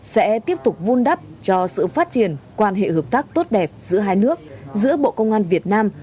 sẽ tiếp tục vun đắp cho sự phát triển quan hệ hợp tác tốt đẹp giữa hai nước giữa bộ công an việt nam